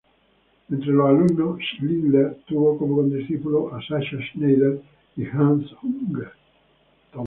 Entre los alumnos, Schindler tuvo como condiscípulos a Sascha Schneider y Hans Unger.